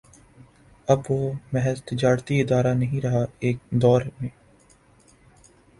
اب وہ محض تجارتی ادارہ نہیں رہا ایک دور میں